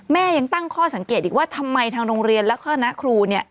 ยังตั้งข้อสังเกตอีกว่าทำไมทางโรงเรียนและคณะครู